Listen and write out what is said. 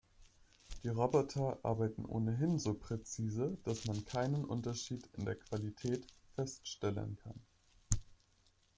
Die Roboter arbeiten ohnehin so präzise, dass man keinen Unterschied in der Qualität feststellen kann.